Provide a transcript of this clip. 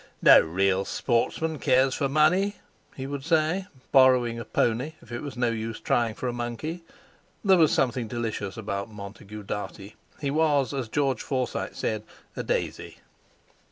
"No real sportsman cares for money," he would say, borrowing a "pony" if it was no use trying for a "monkey." There was something delicious about Montague Dartie. He was, as George Forsyte said, a "daisy."